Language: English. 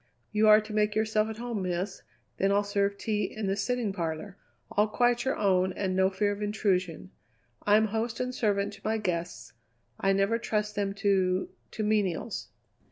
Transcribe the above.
"You are to make yourself at home, Miss; then I'll serve tea in the sitting parlour; all quite your own and no fear of intrusion. I'm host and servant to my guests. I never trust them to to menials."